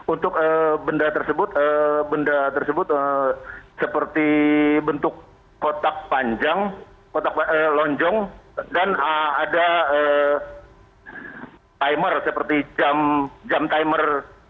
untuk benda tersebut benda tersebut seperti bentuk kotak panjang lonjong dan ada timer seperti jam timer